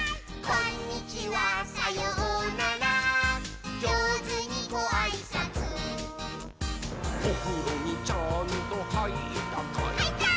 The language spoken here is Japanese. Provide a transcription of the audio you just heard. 「こんにちはさようならじょうずにごあいさつ」「おふろにちゃんとはいったかい？」はいったー！